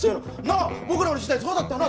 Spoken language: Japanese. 僕らの時代そうだったよな